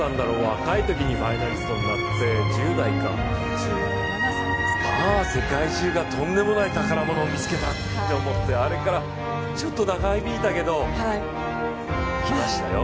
若いときにファイナリストになって世界中がとんでもない宝物を見つけたと思ってあれからちょっと長引いたけど来ましたよ